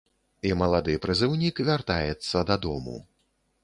І малады прызыўнік вяртаецца дадому.